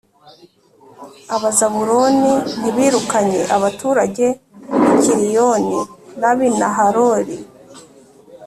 Abazabuloni ntibirukanye abaturage b’i Kitironi n’ab’i Nahaloli,